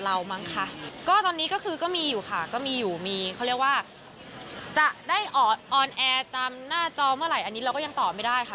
อันนี้เราก็ยังตอบไม่ได้ค่ะ